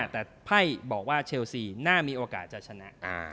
แต่ไพ่บอกว่าเชลซีน่ามีโอกาสจะชนะ